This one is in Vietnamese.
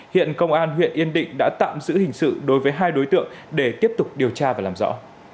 hiện công an huyện yên định đã tạm giữ hình sự đối với hai đối tượng để tiếp tục điều tra và làm rõ